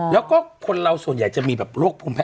แล้วก็คนเราส่วนใหญ่จะมีแบบโรคภูมิแพ้